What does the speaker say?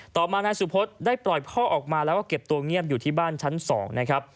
ต่อมานายสุพศได้ปล่อยพ่อออกมาแล้วก็เก็บตัวเงียบอยู่ที่บ้านชั้น๒นะครับ